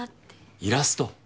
イラスト？